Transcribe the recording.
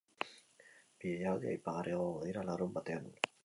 Bi jaialdi aipagarri egongo dira larunbatean.